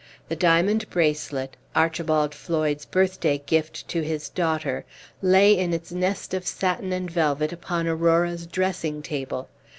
The diamond bracelet, Archibald Floyd's birthday gift to his daughter, lay in its nest of satin and velvet upon Aurora's dressing table.